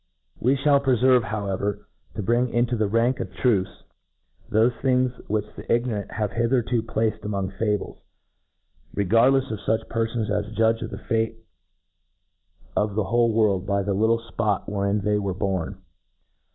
We fliall perfeverc, however,. tc^ bring jinto the rank of truths thofe things which the ig ' norant have hitherto placed among fables, regard lefs of fuch perfons as judge of the ftate of the whole world by the little fpot wherein they were • born.